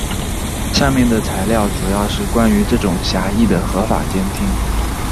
下面的材料主要是关于这种狭义的合法监听。